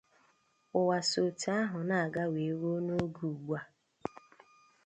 ụwa si otu ahụ na-aga wee ruo n’oge ugbu a